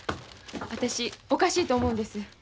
私おかしいと思うんです。